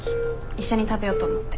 一緒に食べようと思って。